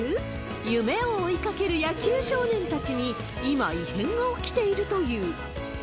夢を追いかける野球少年たちに今、異変が起きているという。